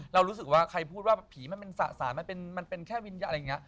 เรารู้สึกว่าใครพูดว่าผีมันเป็นสะสานมันเป็นแค่วิญญาณอะไรอย่างนี้